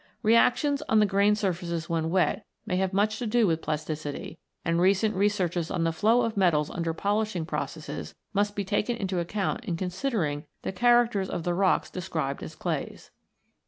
Re actions on the grain surfaces when wet may have much to do with plasticity, and recent researches on the flow of metals under polishing processes must be taken into account in considering the characters of the rocks described as clays.